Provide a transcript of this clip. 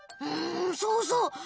んそうそう。